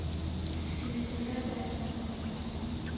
Izi radacha mezenyi